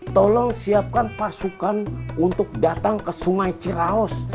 tolong siapkan pasukan untuk datang ke sungai ciraus